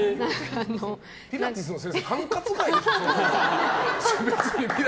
ピラティスの先生管轄外でしょ、それ。